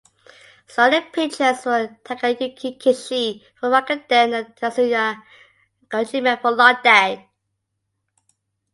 Starting pitchers were Takayuki Kishi for Rakuten and Kazuya Ojima for Lotte.